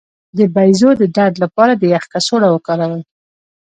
د بیضو د درد لپاره د یخ کڅوړه وکاروئ